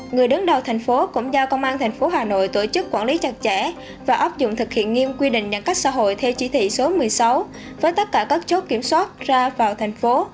người đứng đầu thành phố cũng giao công an tp hà nội tổ chức quản lý chặt chẽ và áp dụng thực hiện nghiêm quy định nhận cách xã hội theo chỉ thị số một mươi sáu với tất cả các chốt kiểm soát ra vào thành phố